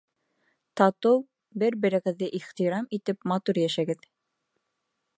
Татыу, бер-берегеҙҙе ихтирам итеп матур йәшәгеҙ!